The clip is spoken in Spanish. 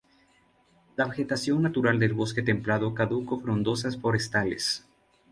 La vegetación natural del bosque templado caduco frondosas forestales.